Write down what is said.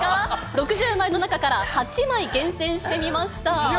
６０枚の中から８枚厳選してみました。